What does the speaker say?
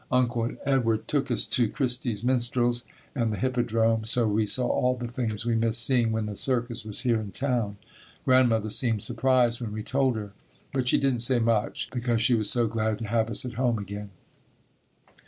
Uncle Edward took us to Christie's Minstrels and the Hippodrome, so we saw all the things we missed seeing when the circus was here in town. Grandmother seemed surprised when we told her, but she didn't say much because she was so glad to have us at home again.